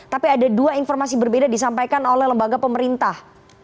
tapi ada dua informasi berbeda disampaikan oleh lembaga pemerintah